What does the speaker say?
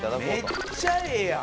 めっちゃええやん！